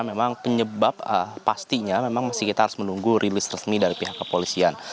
memang penyebab pastinya memang kita harus menunggu rilis resmi dari pihak kepolisian